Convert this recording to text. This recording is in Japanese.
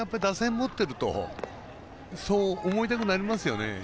持ってるとそう思いたくなりますよね。